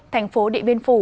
thành phố địa biên phủ